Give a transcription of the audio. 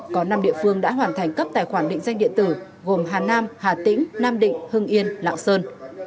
có năm địa phương đã hoàn thành cấp tài khoản định danh điện tử gồm hà nam hà tĩnh nam định hưng yên lạng sơn